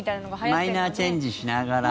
マイナーチェンジしながら。